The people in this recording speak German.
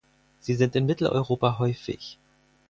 Sie sind in Mitteleuropa häufig.